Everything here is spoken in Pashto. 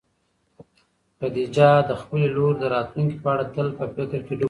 خدیجه د خپلې لور د راتلونکي په اړه تل په فکر کې ډوبه وه.